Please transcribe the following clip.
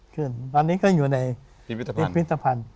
ขึ้นตอนนี้ก็อยู่ในพิพิธภัณฑ์